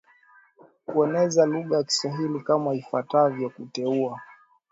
kueneza lugha ya kiswahili kama ifuatavyo Kuteua